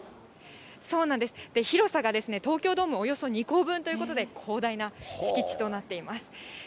そうなんです、広さが東京ドームおよそ２個分ということで、広大な敷地となっています。